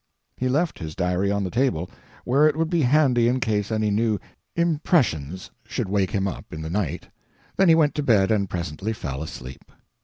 He left his diary on the table, where it would be handy in case any new "impressions" should wake him up in the night, then he went to bed and presently fell asleep.